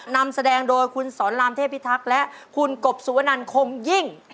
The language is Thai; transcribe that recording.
นำแสดงโดยคุณสอนรามเทพิทักษ์และคุณกบสุวนันคงยิ่ง